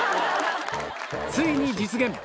ついに実現！